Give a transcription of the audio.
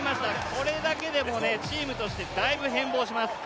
これだけでもチームとしてだいぶ変貌します。